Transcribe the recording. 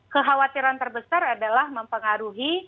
kekhawatiran terbesar adalah mempengaruhi